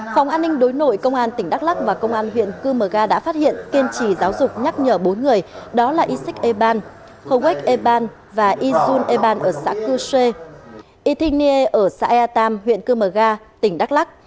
phòng an ninh đối nội công an tỉnh đắk lắc và công an huyện cư mờ ga đã phát hiện kiên trì giáo dục nhắc nhở bốn người đó là ishik eban howech eban và izun eban ở xã cư xê edinia ở xã ea tam huyện cư mờ ga tỉnh đắk lắc